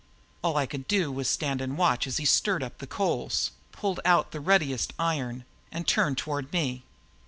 All I could do was stand and watch as he stirred up the coals, pulled out the ruddiest iron and turned toward me.